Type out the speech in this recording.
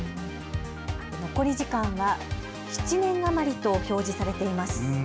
残り時間は７年余りと表示されています。